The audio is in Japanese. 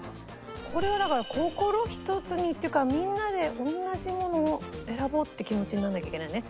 これはだから心ひとつにっていうかみんなで同じものを選ぼうっていう気持ちにならなきゃいけないのね。